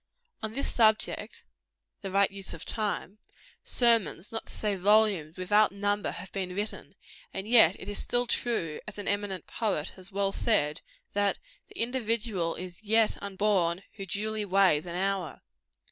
On this subject the right use of time sermons, not to say volumes, without number, have been written; and yet it is still true, as an eminent poet has well said, that the individual "is yet unborn who duly weighs an hour."